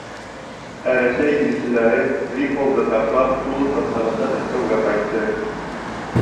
Ә Рәсәй илселәре Триполды ташлап, тулы составында Мәскәүгә ҡайтты.